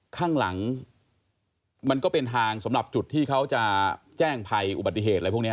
ข้างหลังมันก็เป็นทางสำหรับจุดที่เขาจะแจ้งภัยอุบัติเหตุอะไรพวกนี้